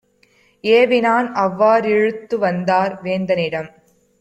ஏவினான். அவ்வா றிழுத்துவந்தார் வேந்தனிடம்.